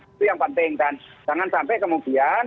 itu yang penting dan jangan sampai kemudian